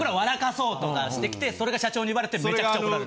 そうとかしてきてそれが社長にバレてめちゃくちゃ怒られる。